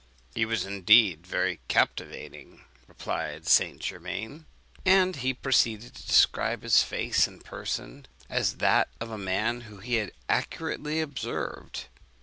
'He was, indeed, very captivating,' replied St. Germain; and he proceeded to describe his face and person, as that of a man whom he had accurately observed.